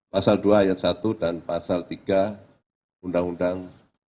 pasal dua ayat satu dan pasal tiga undang undang